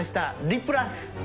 「リプラス」